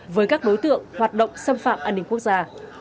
với các đối tượng hoạt động xâm phạm an ninh quốc gia